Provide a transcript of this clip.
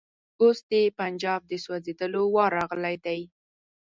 اوس د پنجاب د سوځېدلو وار راغلی دی.